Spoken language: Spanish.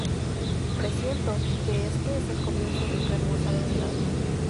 Presiento que éste es el comienzo de una hermosa amistad